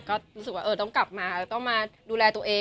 ก็รู้สึกว่าต้องกลับมาต้องมาดูแลตัวเอง